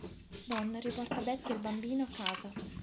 Don riporta Betty e il bambino a casa.